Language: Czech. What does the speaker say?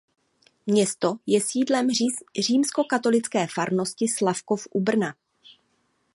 Město je sídlem římskokatolické farnosti Slavkov u Brna.